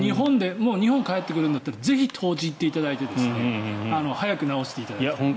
もう日本に帰ってくるならぜひ湯治に行っていただいて早く治していただいて。